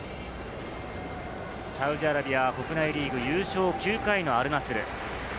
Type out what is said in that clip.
サウジアラビアは国内リーグ優勝９回のアルナスル。